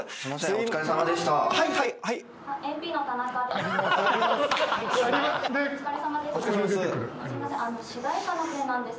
お疲れさまです